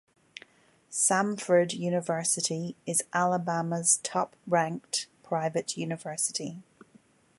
Samford University is Alabama's top-ranked private university.